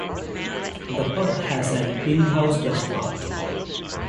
The pub has an in-house restaurant.